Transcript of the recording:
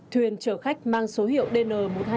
thuyền chở khách mang số hiệu dn một nghìn hai trăm hai mươi tám